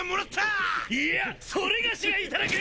いやそれがしが頂く！